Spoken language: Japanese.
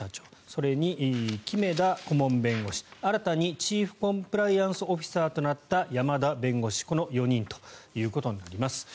それに木目田顧問弁護士新たにチーフコンプライアンスオフィサーとなった山田弁護士この４人ということになります。